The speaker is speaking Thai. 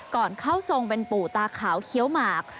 ก่อนเข้าทรงเป็นปู่ตาขาวเคี้ยวหมาก